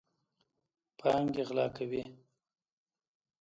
پانګې غلا کوي.